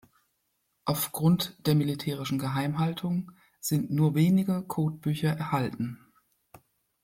Aufgrund der militärischen Geheimhaltung sind nur wenige Codebücher erhalten.